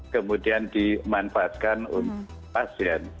kemudian dimanfaatkan untuk pasien